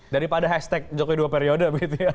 daripada hashtag jokowi dua periode begitu ya